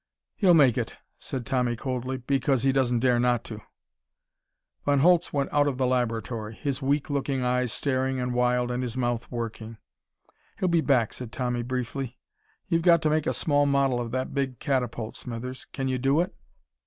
"He'll make it," said Tommy coldly. "Because he doesn't dare not to!" Von Holtz went out of the laboratory, his weak looking eyes staring and wild, and his mouth working. "He'll be back," said Tommy briefly. "You've got to make a small model of that big catapult, Smithers. Can you do it?"